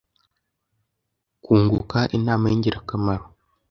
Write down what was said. Kwunguka inama y’ingirakamaro.